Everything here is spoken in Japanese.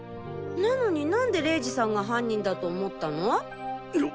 なのになんで玲二さんが犯人だと思ったの？